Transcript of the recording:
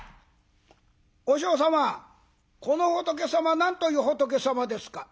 「和尚様この仏様何という仏様ですか？」。